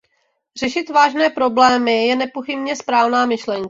Řešit vážné problémy je nepochybně správná myšlenka.